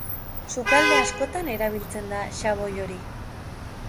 Sukalde askotan erabiltzen da xaboi hori.